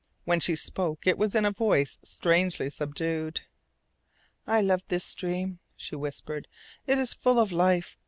When she spoke it was in a voice strangely subdued. "I love this stream," she whispered. "It is full of life.